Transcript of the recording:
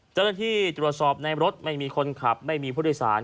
เจ้าหน้าที่ตรวจสอบในรถไม่มีคนขับไม่มีผู้โดยสาร